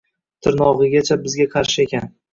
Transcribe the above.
Tirnog‘igacha bizga qarshi ekan.